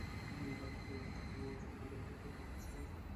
যার ফলে এবার ছবিটির গল্পের সঙ্গে নামের সংযোগ খুঁজে পাবেন দর্শকেরা।